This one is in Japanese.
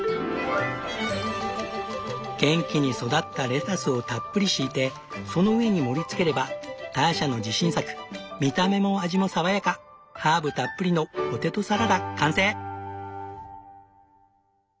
元気に育ったレタスをたっぷり敷いてその上に盛りつければターシャの自信作見た目も味も爽やかハーブたっぷりのポテトサラダ完成！